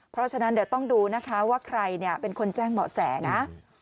เพราะฉะนั้นเดี๋ยวต้องดูนะคะว่าใครเป็นคนแจ้งเบาะแสนะ